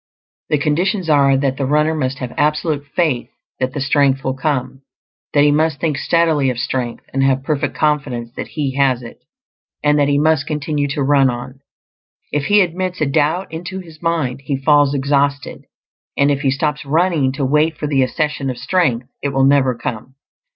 The conditions are that the runner must have absolute faith that the strength will come; that he must think steadily of strength, and have perfect confidence that he has it, and that he must continue to run on. If he admits a doubt into his mind, he falls exhausted, and if he stops running to wait for the accession of strength, it will never come.